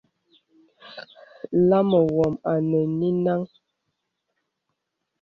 Lāma wām anə̀ nè nìnəŋ.